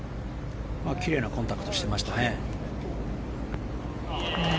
奇麗なコンタクトしてましたね。